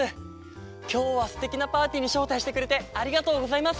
きょうはすてきなパーティーにしょうたいしてくれてありがとうございます！